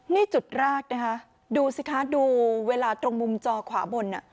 นี่จุดแรกนะคะดูสิคะดูเวลาตรงมุมจอขวาบน